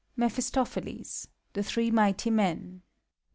Mephistopheles. The Three Miohtt Men.